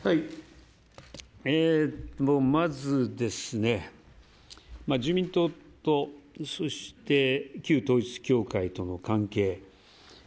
まず、自民党とそして旧統一教会との関係。